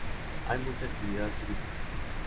Hay mucha actividad turística.